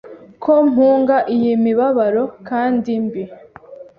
Ko mpunga iyi mibabaro kandi mbi